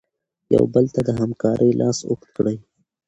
یو بل ته د همکارۍ لاس اوږد کړئ.